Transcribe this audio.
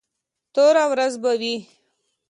توره ورځ به وي.